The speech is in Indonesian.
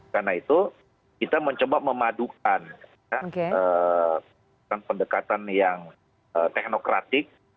karena itu kita mencoba memadukan pendekatan yang teknokratik